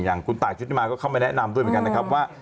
อย่างคุณตายชุติมาก็เข้ามาแนะนำด้วยเหมือนกันนะครับว่า